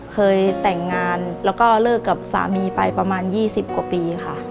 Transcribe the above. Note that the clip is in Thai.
เคยแต่งงานแล้วก็เลิกกับสามีไปประมาณ๒๐กว่าปีค่ะ